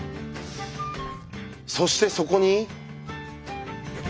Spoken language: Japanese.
そしてそこに。